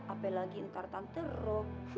apelagi ntar tante rop